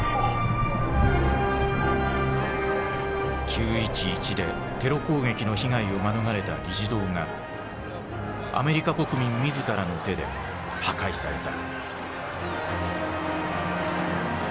９．１１でテロ攻撃の被害を免れた議事堂がアメリカ国民自らの手で破壊された。